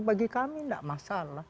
bagi kami enggak masalah